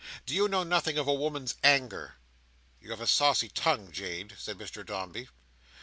"Do you know nothing of a woman's anger?" "You have a saucy tongue, Jade," said Mr Dombey.